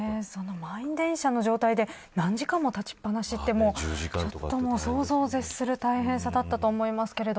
満員電車の状態で何時間も立ちっぱなしというのは想像を絶する大変さだったと思います。